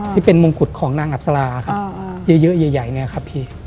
ที่เป็นโมงกุฏของนางอาพสราโน่นเยอะแยะ